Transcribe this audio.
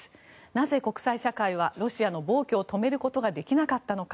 なぜ、国際社会はロシアの暴挙を止めることができなかったのか。